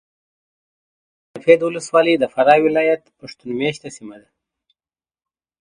خاک سفید ولسوالي د فراه ولایت پښتون مېشته سیمه ده .